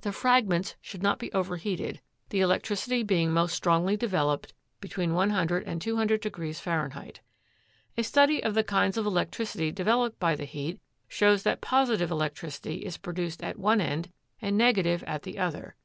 The fragments should not be overheated, the electricity being most strongly developed between 100 and 200 degrees Fahrenheit. A study of the kinds of electricity developed by the heat shows that positive electricity is produced at one end and negative at the other.